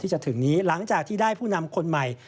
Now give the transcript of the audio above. หลังจากที่ได้ผู้นำคนใหม่